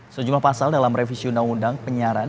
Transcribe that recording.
sejumlah pasal dalam revisi undang undang penyiaran